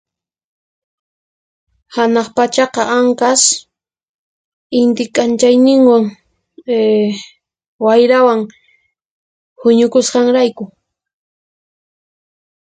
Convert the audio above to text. Hanaqpachaqa anqas Inti k'anchayñinwan ehh wayrawan huñukusqanrayku.